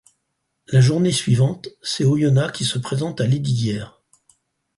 La journée suivante, c'est Oyonnax qui se présente à Lesdiguières.